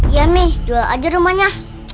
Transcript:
ya emi jual aja rumahnya